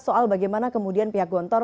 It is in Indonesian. soal bagaimana kemudian pihak gontor